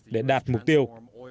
để đạt mục tiêu